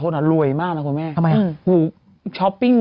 ซื้อที่เดียว๑๘๐ห้อง